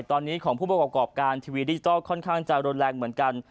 ตอนนี้ของผู้ประกอบการทีวีดิจิทัลค่อนข้างจะรุนแรงเหมือนกัน